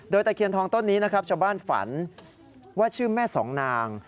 ตะเคียนทองต้นนี้นะครับชาวบ้านฝันว่าชื่อแม่สองนาง